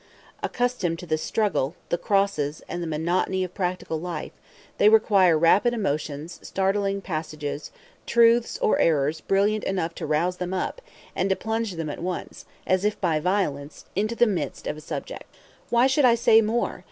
Accustomed to the struggle, the crosses, and the monotony of practical life, they require rapid emotions, startling passages truths or errors brilliant enough to rouse them up, and to plunge them at once, as if by violence, into the midst of a subject. Why should I say more?